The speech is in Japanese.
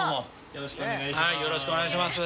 よろしくお願いします。